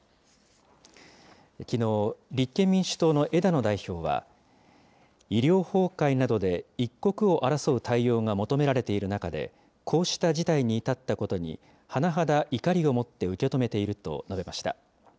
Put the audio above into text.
きのう、立憲民主党の枝野代表は、医療崩壊などで一刻を争う対応が求められている中で、こうした事態に至ったことに、甚だ怒りを持って受け止めていると述べました。